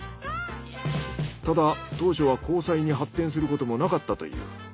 ただ当初は交際に発展することもなかったという。